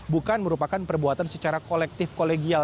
bukan merupakan perbuatan secara kolektif kolegial